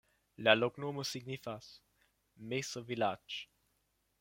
La loknomo signifas: meso-vilaĝ'.